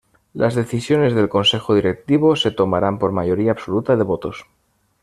Las decisiones del Consejo Directivo se tomarán por mayoría absoluta de votos.